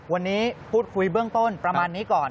วันนี้พูดคุยเบื้องต้นประมาณนี้ก่อน